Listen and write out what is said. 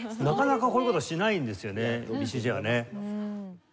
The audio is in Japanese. なかなかこういう事しないんですよねＢＣＪはね。